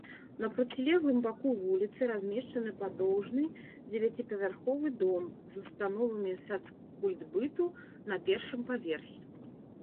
На процілеглым баку вуліцы размешчаны падоўжны дзевяціпавярховы дом з установамі сацкультбыту на першым паверсе.